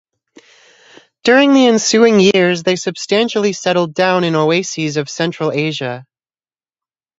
During the ensuing years they substantially settled down in oases of Central Asia.